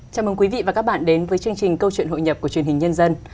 chào mừng quý vị và các bạn đến với chương trình câu chuyện hội nhập của truyền hình nhân dân